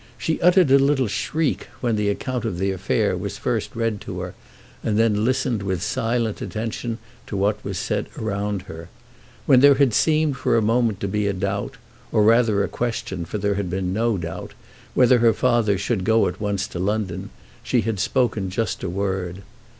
She uttered a little shriek when the account of the affair was first read to her, and then listened with silent attention to what was said around her. When there had seemed for a moment to be a doubt, or rather a question, for there had been no doubt, whether her father should go at once to London, she had spoken just a word.